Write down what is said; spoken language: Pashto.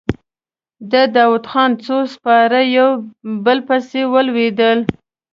د داوودخان څو سپاره يو په بل پسې ولوېدل.